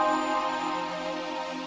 tanya dedemenan saya dari dulu